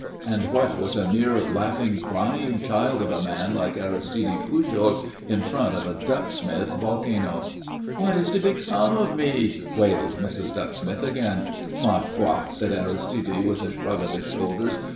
And what was a mere laughing, crying child of a man like Aristide Pujol in front of a Ducksmith volcano? "What is to become of me?" wailed Mrs. Ducksmith again. "Ma foi!" said Aristide, with a shrug of his shoulders.